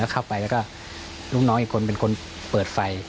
เข้าไปแล้วก็ลูกน้องอีกคนเป็นคนเปิดไฟ